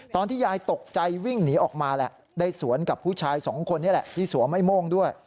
ตอนที่ยายตกใจวิ่งหนีออกมาแหละได้สวนกับผู้ชายสองคนนี่แหละที่สวมไอ้โม่งด้วย